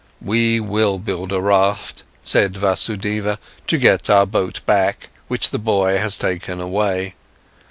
"We will build a raft," said Vasudeva, "to get our boat back, which the boy has taken away.